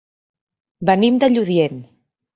Venim de Lludient.